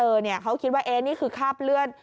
คุณเต้เขาไปเจอเนี่ยเขาคิดว่าเอ๊นี่คือคราบเลือด